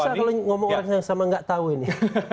cuma susah kalau ngomong sama orang yang enggak tahu ini